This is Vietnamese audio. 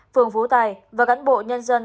phường phú tài và cán bộ nhân dân